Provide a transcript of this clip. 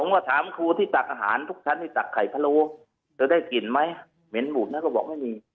ก็ถามครูที่ตักอาหารทุกชั้นที่ตักไข่พะโลเธอได้กลิ่นไหมเหม็นหมูดนะก็บอกไม่มี